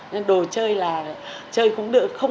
nên đồ chơi là chơi cũng được